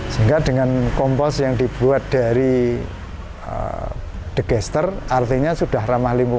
sehingga dengan kompos yang dibuat dari digester